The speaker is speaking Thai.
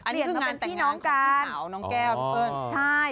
เปลี่ยนมาเป็นพี่น้องกัน